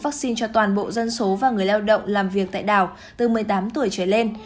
vaccine cho toàn bộ dân số và người lao động làm việc tại đảo từ một mươi tám tuổi trở lên